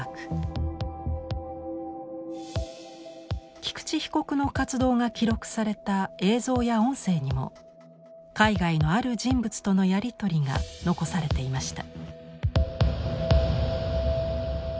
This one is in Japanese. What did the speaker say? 菊池被告の活動が記録された映像や音声にも海外のある人物とのやり取りが残されていました。